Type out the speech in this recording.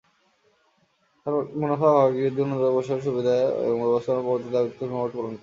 তারা মুনাফা ভাগাভাগি বৃদ্ধি, উন্নত অবসর সুবিধা এবং ব্যবস্থাপনা প্রবর্তনের দাবিতে ধর্মঘট পালন করে।